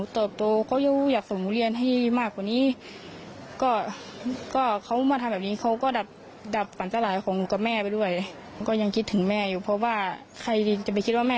ตอนที่หนูไปอ่านเม็สเซตเขานะคะ